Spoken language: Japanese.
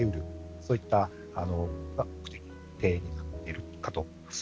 そういった目的かと思います。